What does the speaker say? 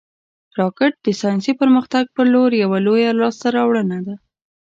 راکټ د ساینسي پرمختګ پر لور یوه لویه لاسته راوړنه ده